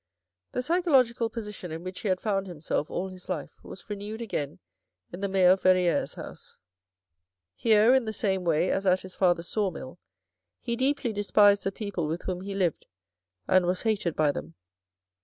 The psychological position in which he had found himself all his life was renewed again in the mayor of Verriere's house. Here in the same way as at his father's saw mill, he deeply despised the people with whom he lived, and was hated by them.